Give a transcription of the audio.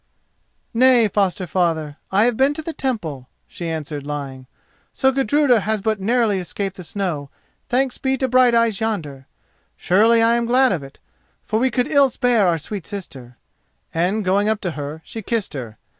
"Nay, foster father, I have been to the Temple," she answered, lying. "So Gudruda has but narrowly escaped the snow, thanks be to Brighteyes yonder! Surely I am glad of it, for we could ill spare our sweet sister," and, going up to her, she kissed her.